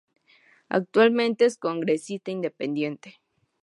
Actualmente es congresista independiente.